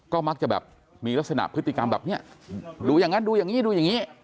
ก็มักจะแบบมีลักษณะพฤติกรรมแบบนี้ดูอย่างนั้นดูอย่างนี้ดูอย่างนี้